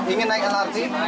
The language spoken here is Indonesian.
insya allah ya